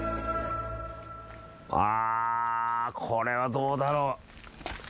あこれはどうだろう？